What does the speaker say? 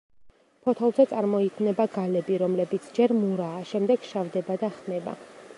ფოთოლზე წარმოიქმნება გალები, რომლებიც ჯერ მურაა, შემდეგ შავდება და ხმება.